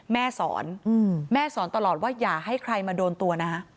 แม่สอนแม่สอนตลอดว่าอย่าให้ใครมาโดนตัวนะ